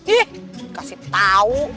ih kasih tau